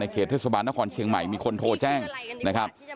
เขตเทศบาลนครเชียงใหม่มีคนโทรแจ้งนะครับ